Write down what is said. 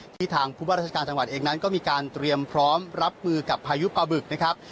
ทางผู้ว่าราชการจังหวัดเองนั้นก็มีการเตรียมพร้อมรับมือกับพายุปลาบึกนะครับ